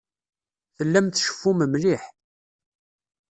Tellam tceffum mliḥ.